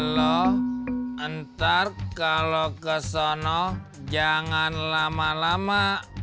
lo ntar kalo ke sono jangan lama lama